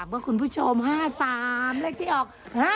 เมื่อคุณผู้ชม๕๓เลขที่ออก